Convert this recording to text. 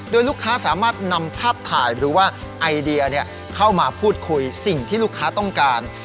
โดยลูกค้าสามารถนำภาพถ่ายหรือว่าไอเดียเข้ามาพูดคุยสิ่งที่ลูกค้าต้องการ